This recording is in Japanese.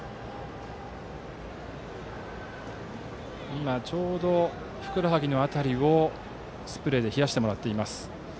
今ちょうどふくらはぎの辺りをスプレーで冷やしてもらっています。